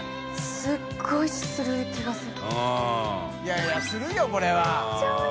すごいする気がする。